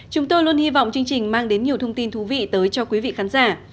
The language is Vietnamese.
chúng tôi luôn hy vọng chương trình mang đến nhiều thông tin thú vị tới cho quý vị khán giả